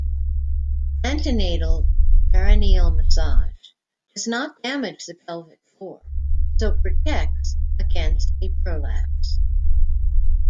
Antenatal Perineal Massage does not damage the pelvic floor, so protects against a prolapse.